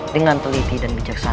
dengan teliti dan bijaksana